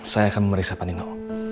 saya akan memeriksa panino